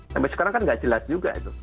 sampai sekarang kan nggak jelas juga itu